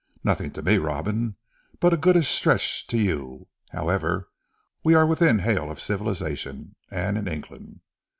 Nothing to me Robin, but a goodish stretch to you. However we are within hail of civilization, and in England.